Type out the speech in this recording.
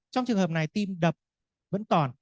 trong trường hợp này tim đập vẫn còn